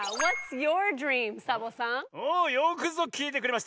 およくぞきいてくれました！